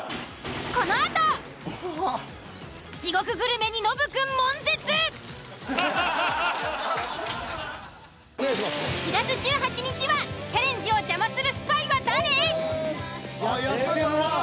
このあとノブくん４月１８日はチャレンジを邪魔するスパイは誰？